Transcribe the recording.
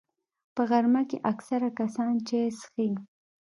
په غرمه کې اکثره کسان چای څښي